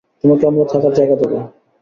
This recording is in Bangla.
তোমাকে আমরা থাকার জায়গা দেবো।